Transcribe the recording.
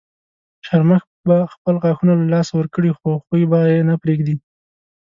شرمښ به خپل غاښونه له لاسه ورکړي خو خوی به یې نه پرېږدي.